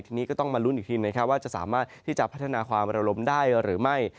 ทีนี้ก็ต้องมาลุ้นอีกทีนะครับว่าจะสามารถที่จะพัฒนาความระลมได้หรือไม่